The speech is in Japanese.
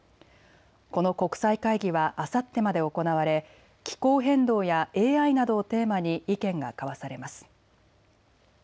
この国際会議はあさってまで行われ気候変動やＡＩなどをテーマに意見が交わされます。